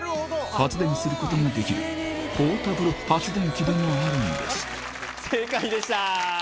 発電することができるポータブル発電機でもあるんです正解でした！